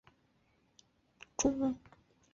粗壮省藤为棕榈科省藤属下的一个变种。